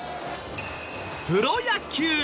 プロ野球。